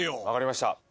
分かりました。